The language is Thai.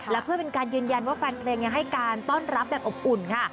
และเพื่อเป็นการยืนยันว่าแฟนเพลงยังให้การต้อนรับแบบอบอุ่นค่ะ